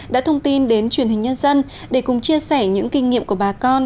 đã thông tin đến truyền hình nhân dân để cùng chia sẻ những kinh nghiệm của bà con